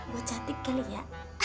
gue cantik kali ya